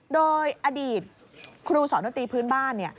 โดยอดีตครูสนตรีพื้นบ้าน